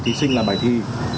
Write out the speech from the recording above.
thí sinh làm bài thi